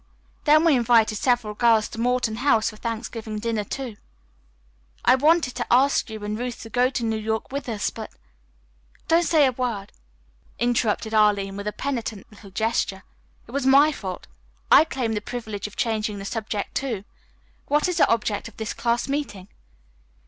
Then we invited several girls to Morton House for Thanksgiving dinner, too." "I wanted to ask you and Ruth to go to New York with us, but " "Don't say a word," interrupted Arline, with a penitent little gesture. "It was my fault. I claim the privilege of changing the subject, too. What is the object of this class meeting?"